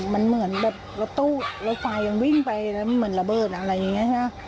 มันเหมือนแบบรถตู้รถไฟยังวิ่งไปแล้วเหมือนระเบิดอะไรอย่างนี้ใช่ไหม